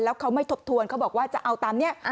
แล้วเขาไม่ทบทวนเขาบอกว่าจะเอาตามนี้